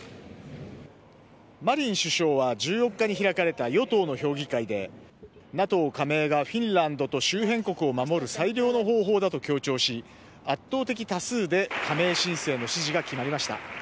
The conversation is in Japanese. マリン首相は１４日に開かれた与党の評議会でＮＡＴＯ加盟がフィンランドと周辺国を守る最良の方法だと強調し圧倒的多数で加盟申請の指示が決まりました。